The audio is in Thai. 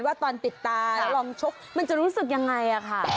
ว่าตอนติดตาแล้วลองชกมันจะรู้สึกยังไงค่ะ